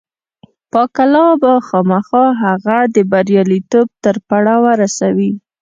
پاک الله به خامخا هغه د برياليتوب تر پړاوه رسوي.